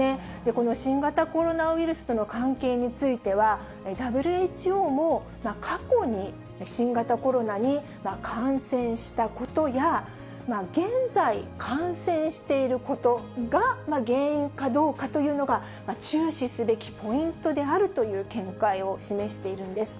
この新型コロナウイルスとの関係については、ＷＨＯも、過去に新型コロナに感染したことや、現在感染していることが原因かどうかというのが、注視すべきポイントであるという見解を示しているんです。